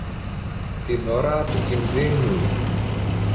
την ώρα του κινδύνου.